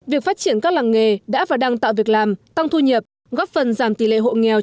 việc phát triển các làng nghề đã và đang tạo việc làm tăng thu nhập góp phần giảm tỷ lệ hộ nghèo